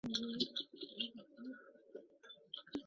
穆罕默德的文盲被认为可以认证他的先知身份。